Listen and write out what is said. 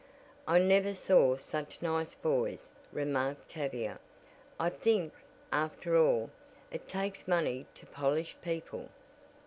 "I never saw such nice boys," remarked Tavia, "I think, after all, it takes money to polish people."